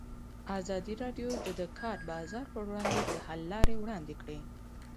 ازادي راډیو د د کار بازار پر وړاندې د حل لارې وړاندې کړي.